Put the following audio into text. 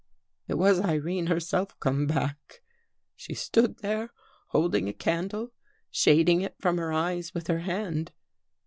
" It was Irene herself come back. She stood there holding a candle, shading it from her eyes with her hand.